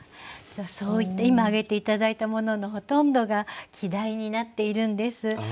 そういった今挙げて頂いたもののほとんどが季題になっているんです。